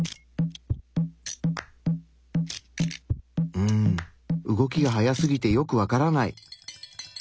うん動きが速すぎてよくわからない。